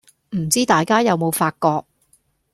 唔知大家有冇發覺